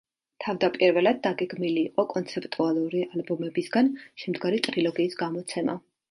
თავდაპირველად დაგეგმილი იყო კონცეპტუალური ალბომებისგან შემდგარი ტრილოგიის გამოცემა.